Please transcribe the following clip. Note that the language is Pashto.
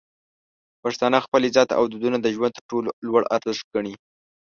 پښتانه خپل عزت او دودونه د ژوند تر ټولو لوړ ارزښت ګڼي.